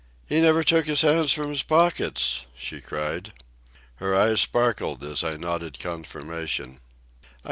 "He never took his hands from his pockets!" she cried. Her eyes sparkled as I nodded confirmation.